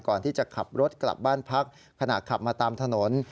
ก่อนที่จะขับรถกลับบ้านพักขณะขับมาตามถนน